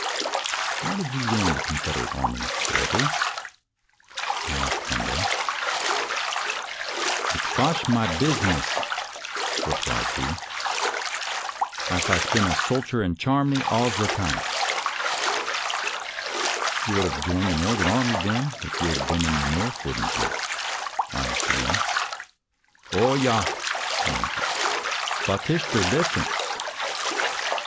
" Why did you join the Confederate Army, Webber? " I asked one day. " It vash my beez ness," replied he. " I vas been a solcher in Char many all ze time." " You would have joined the Northern Army, then, if you had been in the North, wouldn't you? " I asked again. " Oh, yah," he answered. "Vot ish der def ranee?